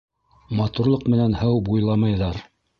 Матурлыҡ менән һыу буйламайҙар.